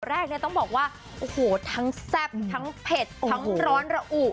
แรกเนี่ยต้องบอกว่าโอ้โหทั้งแซ่บทั้งเผ็ดทั้งร้อนระอุ